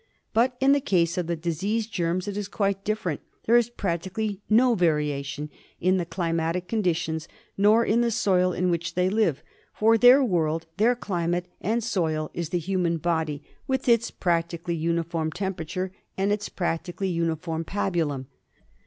But in the case of the disease germs it is quite different. There is practically no variation in the climatic conditions nor in the soil in which they live ; for their world, their chmate and soil, is the human body with its practically 8 GEOGRAPHICAL DISTRIBUTION uniform temperature and its practically uniform pabulum.